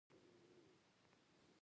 دا دې اخر ځل وي چې داسې کار کوې